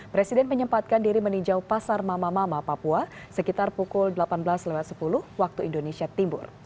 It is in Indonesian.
presiden menyempatkan diri meninjau pasar mama mama papua sekitar pukul delapan belas sepuluh waktu indonesia timur